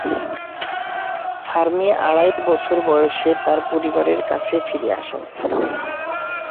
Fermi আড়াই বছর বয়সে তার পরিবারের কাছে ফিরে আসেন।